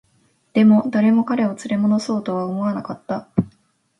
でも、誰も彼を連れ戻そうとは思わなかった